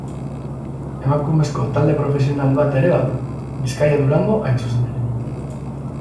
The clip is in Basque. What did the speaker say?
Emakumezko talde profesional bat ere badu: Bizkaia-Durango hain zuzen ere.